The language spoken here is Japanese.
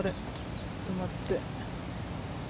止まって。